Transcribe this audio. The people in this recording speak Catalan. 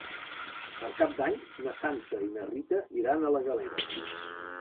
Per Cap d'Any na Sança i na Rita iran a la Galera.